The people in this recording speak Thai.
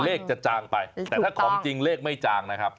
เลขจะจางไปแต่ถ้าของจริงเลขไม่จางนะครับ